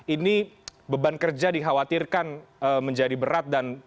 ini beban kerja dikhawatirkan menjadi berat dan